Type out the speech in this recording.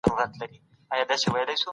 اوسنی حالت له تېر سره پرتله کړئ.